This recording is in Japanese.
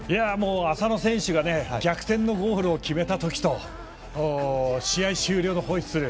浅野選手が逆転のゴールを決めた時と試合終了のホイッスル